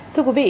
thưa quý vị